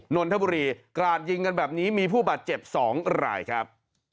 นนทบุรีกราดยิงกันแบบนี้มีผู้บาดเจ็บ๒รายครับ